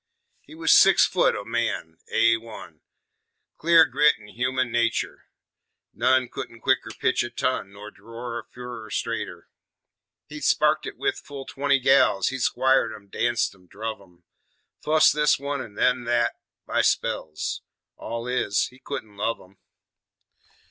He was six foot o' man, A 1, Clear grit an' human natur'; None couldn't quicker pitch a ton Nor dror a furrer straighter. He'd sparked it with full twenty gals, He'd squired 'em, danced 'em, druv 'em, Fust this one, an' then thet, by spells All is, he couldn't love 'em.